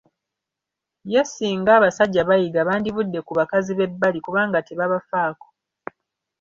Ye singa abasajja bayiga bandivudde ku bakazi b'ebbali kubanga tebabafaako.